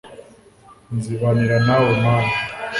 nzibanira nawe mana